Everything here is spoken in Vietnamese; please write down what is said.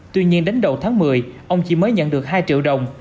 tuy nhiên đến đầu tháng một mươi ông chỉ mới nhận được hai triệu đồng